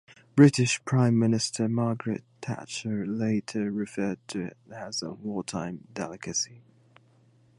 British Prime Minister Margaret Thatcher later referred to it as a "wartime delicacy".